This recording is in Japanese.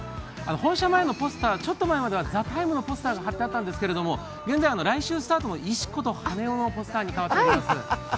本社前のポスター、ちょっと前まで「ＴＨＥＴＩＭＥ，」のポスターが貼ってあったんですが現在、来週スタートの「石子と羽男」のポスターに変わっております。